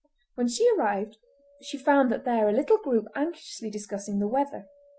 When she arrived she found there a little group anxiously discussing the weather.